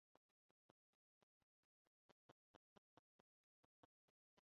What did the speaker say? Li havis intensan profesian vivon.